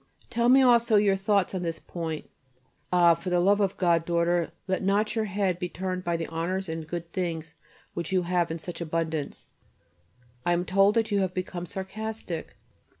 Tell me also your thoughts on this point. Ah! for the love of God, daughter, let not your head be turned by the honours and good things which you have in such abundance. I am told that you have become sarcastic.